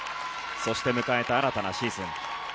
そして迎えた新たなシーズン。